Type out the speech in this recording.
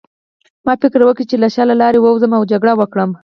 ما فکر وکړ چې له شا لارې ووځم او جګړه وکړم